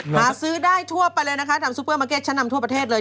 หาซื้อได้ทั่วไปเลยนะคะทำซูเปอร์มาร์เก็ตชั้นนำทั่วประเทศเลย